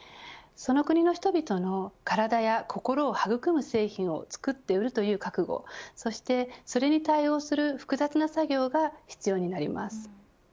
その国の人々の体や心を育む製品を作って売るという覚悟そしてそれに対応する複雑な作業が必要になります。